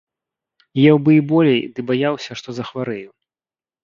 Еў бы і болей, ды баяўся, што захварэю.